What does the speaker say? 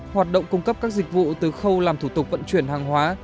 hoạt động cung cấp các dịch vụ từ khâu làm thủ tục vận chuyển hàng hóa